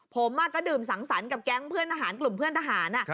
ผมก็ดื่มสังสรรค์กับแก๊งเพื่อนทหารกลุ่มเพื่อนทหาร